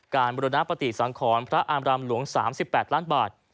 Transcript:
บุรณปฏิสังขรพระอามรามหลวง๓๘ล้านบาท